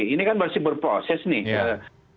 ini kan masih berproses nih